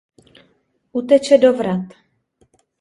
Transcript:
Uteče do vrat.